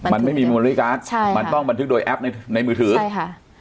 มันไม่มีใช่ค่ะมันต้องบันทึกโดยแอปในในมือถือใช่ค่ะ